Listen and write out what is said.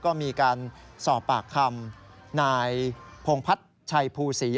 ก็มีการสอบปากคำนายพงพัฒน์ชัยภูศรี